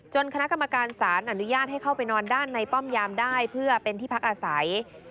คณะกรรมการศาลอนุญาตให้เข้าไปนอนด้านในป้อมยามได้เพื่อเป็นที่พักอาศัย